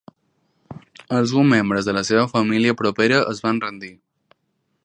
Alguns membres de la seva família propera es van rendir.